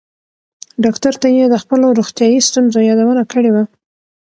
ډاکټر ته یې د خپلو روغتیایي ستونزو یادونه کړې وه.